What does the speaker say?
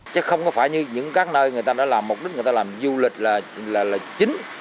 chắc không phải như những các nơi người ta đã làm mục đích người ta làm du lịch là chính